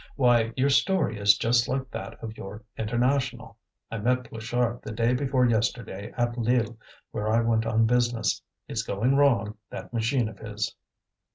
Why, your story is just like that of your International. I met Pluchart the day before yesterday, at Lille, where I went on business. It's going wrong, that machine of his."